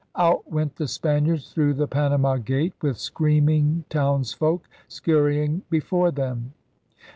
Out went the Spaniards through the Panama gate, with screaming townsfolk scurrying before them.